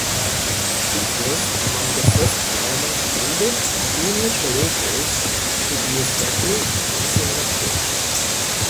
It was among the first government-aided junior colleges to be established in Singapore.